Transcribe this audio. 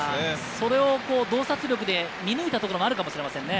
それを洞察力で見抜いたところがあるかもしれませんね。